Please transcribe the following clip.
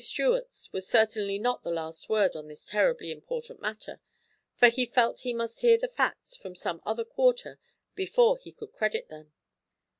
Stuart's was certainly not the last word on this terribly important matter, for he felt he must hear the facts from some other quarter before he could credit them.